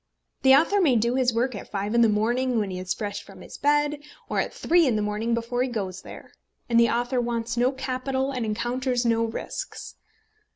The author may do his work at five in the morning when he is fresh from his bed, or at three in the morning before he goes there. And the author wants no capital, and encounters no risks.